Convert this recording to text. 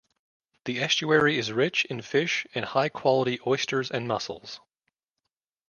The estuary is rich in fish, and high quality oysters and mussels.